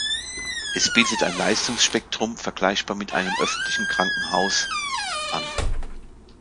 Es bietet ein Leistungsspektrum, vergleichbar mit einem öffentlichen Krankenhaus, an.